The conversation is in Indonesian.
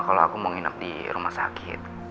kalau aku mau nginep di rumah sakit